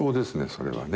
それはね。